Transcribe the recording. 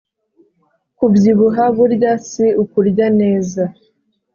Kubyibuha burya si ukurya neza